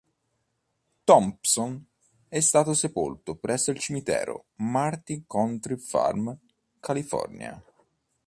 Thompson è stato sepolto presso il cimitero Marin County Farm, California.